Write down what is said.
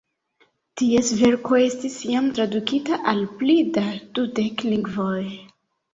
Ties verko estis jam tradukita al pli da dudek lingvoj.